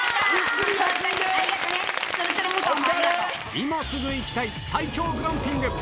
今すぐ行きたい最強グランピング。